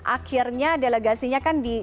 akhirnya delegasinya kan di